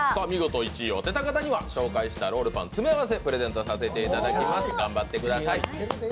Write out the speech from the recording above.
見事１位を当てた方には紹介したロールパン全てプレゼントさせていただきます、頑張ってください。